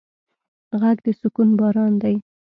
غږ د سکون باران دی